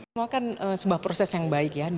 semua kan sebuah proses yang baik ya